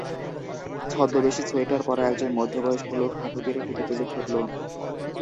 ছদ্মবেশী সোয়েটার পরা একজন মধ্যবয়স্ক লোক হাঁটু গেড়ে টুপি তুলে ধরল।